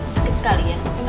sakit sekali ya